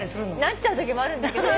なっちゃうときもあるんだけど。